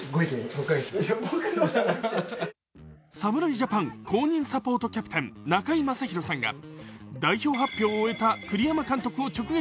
侍ジャパン・公認サポートキャプテン、中居正広さんが代表発表を終えた栗山監督を直撃。